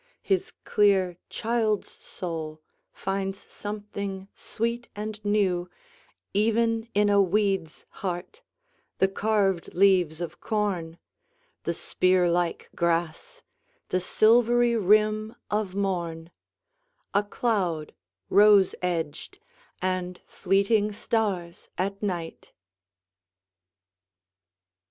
His clear child's soul finds something sweet and newEven in a weed's heart, the carved leaves of corn, The spear like grass, the silvery rim of morn,A cloud rose edged, and fleeting stars at night!